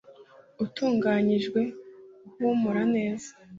utunganyijwe uhumura neza